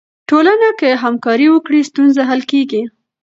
ټولنه که همکاري وکړي، ستونزې حل کیږي.